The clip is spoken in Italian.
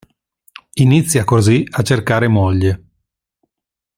Inizia così a cercare moglie.